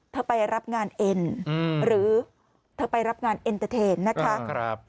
ไปรับงานเอ็นหรือเธอไปรับงานเอ็นเตอร์เทนนะคะ